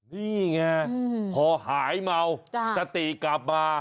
นี่ไงพอหายเมาสติกลับมา